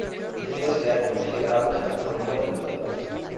En Suecia, es considerada una de las top models del país.